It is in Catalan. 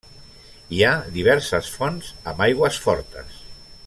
Hi ha diverses fonts amb aigües fortes.